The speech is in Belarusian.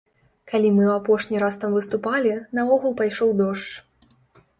Калі мы ў апошні раз там выступалі, наогул пайшоў дождж.